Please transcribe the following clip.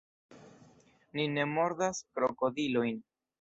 Ni ne mordas krokodilojn.